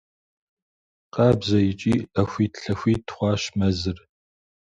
Къабзэ икӏи ӏэхуит-лъэхуит хъуащ мэзыр.